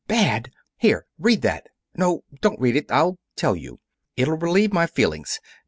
"Bad! Here read that! No, don't read it; I'll tell you. It'll relieve my feelings.